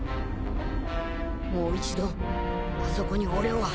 もう一度あそこに俺を運べ。